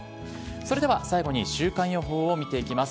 それでは最後に週間予報を見ていきます。